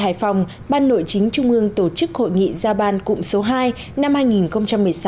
hải phòng ban nội chính trung ương tổ chức hội nghị gia ban cụm số hai năm hai nghìn một mươi sáu